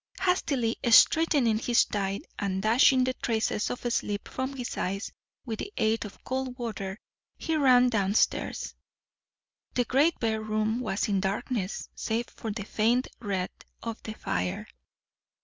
Hastily straightening his tie, and dashing the traces of sleep from his eyes with the aid of cold water, he ran down stairs. The great bare room was in darkness save for the faint red of the fire.